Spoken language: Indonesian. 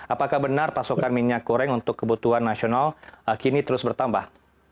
apakah benar pasokan minyak goreng untuk kebutuhan nasional kini terus bertambah